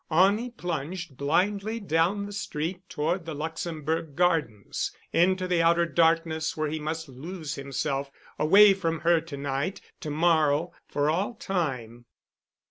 On he plunged blindly down the street toward the Luxembourg Gardens, into the outer darkness where he must lose himself away from her—to night, to morrow,—for all time.